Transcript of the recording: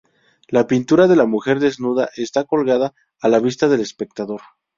La pintura de la mujer desnuda está colgada a la vista del espectador.